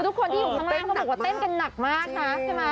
ทุกคนที่อยู่ข้างล่างเขาบอกว่าเต้นกันหนักมากนะใช่ไหม